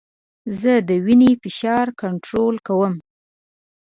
زه د وینې فشار کنټرول کوم.